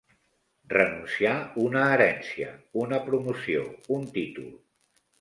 Renunciar una herència, una promoció, un títol.